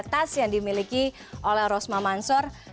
tas yang dimiliki oleh rosma mansur